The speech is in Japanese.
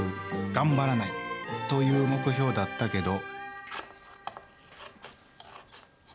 頑張らない！という目標だったけど。